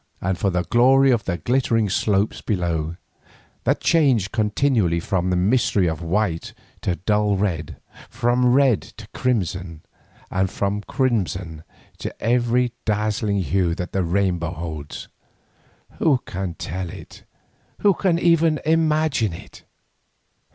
And for the glory of the glittering slopes below, that changed continually from the mystery of white to dull red, from red to crimson, and from crimson to every dazzling hue that the rainbow holds, who can tell it, who can even imagine it?